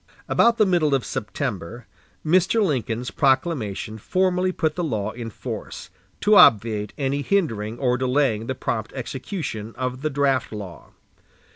About the middle of September, Mr. Lincoln's proclamation formally put the law in force, to obviate any hindering or delaying the prompt execution of the draft law.